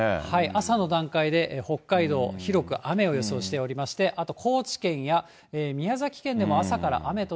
朝の段階で北海道、広く雨を予想しておりまして、あと高知県や宮崎県でも朝から雨と